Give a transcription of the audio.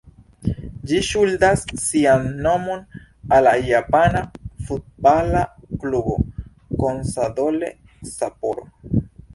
Ĝi ŝuldas sian nomon al la japana futbala klubo "Consadole Sapporo".